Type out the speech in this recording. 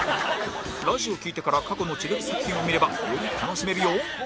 ラジオを聴いてから過去の千鳥作品を見ればより楽しめるよ